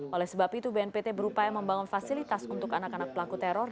oleh sebab itu bnpt berupaya membangun fasilitas untuk anak anak pelaku teror